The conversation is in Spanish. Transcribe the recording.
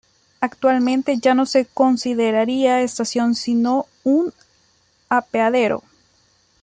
Actualmente ya no se consideraría estación sino un apeadero.